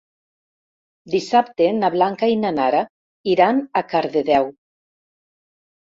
Dissabte na Blanca i na Nara iran a Cardedeu.